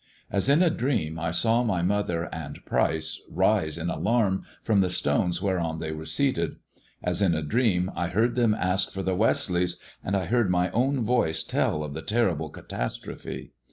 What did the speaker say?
As in a dream I saw my mother and Pryce rise in alarm from the stones whereou they were seated ; as in a dream I heard them ask for the Westleighs, and I heard my own voice tell of the terrible catastrophe.